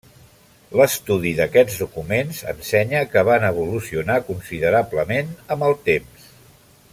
L'estudi d'aquests documents ensenya que van evolucionar considerablement amb el temps.